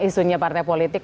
isunya partai politik